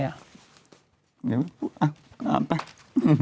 เดี๋ยวไป